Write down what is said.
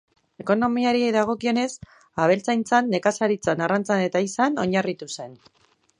Ekonomiari dagokionez, abeltzaintzan, nekazaritzan, arrantzan eta ehizan oinarritu zen.